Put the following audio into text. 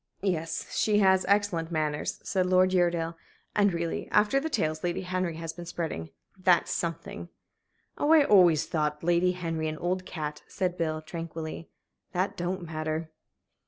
"Yes, she has excellent manners," said Uredale. "And really, after the tales Lady Henry has been spreading that's something!" "Oh, I always thought Lady Henry an old cat," said Bill, tranquilly. "That don't matter."